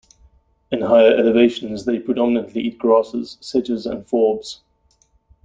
In higher elevations, they predominantly eat grasses, sedges, and forbs.